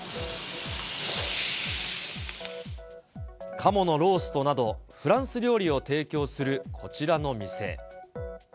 かものローストなど、フランス料理を提供するこちらの店。